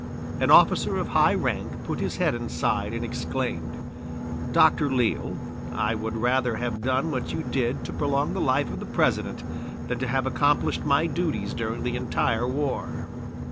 An officer of high rank put his head inside and exclaimed: "Dr. Leale, I would rather have done what you did to prolong the life of the President than to have accomplished my duties during the entire war."